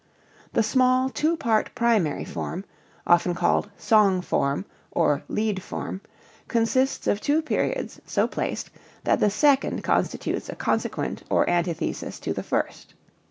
The small two part primary form (often called song form or Lied form) consists of two periods so placed that the second constitutes a consequent or antithesis to the first.